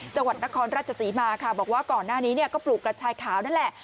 จังหวัดนครราชศรีมาค่ะบอกว่าก่อนหน้านี้ก็ปลูกกระชายขาวนั่นแหละ